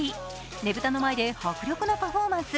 ねぶたの前で迫力のパフォーマンス。